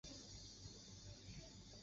属乌贝拉巴总教区。